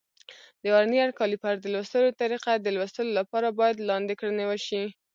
د ورنیر کالیپر د لوستلو طریقه: د لوستلو لپاره باید لاندې کړنې وشي.